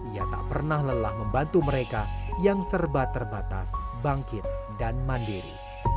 ia tak pernah lelah membantu mereka yang serba terbatas bangkit dan mandiri